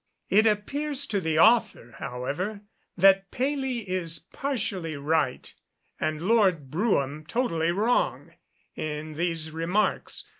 It appears to the author, however, that Paley is partially right, and Lord Brougham totally wrong, in these remarks.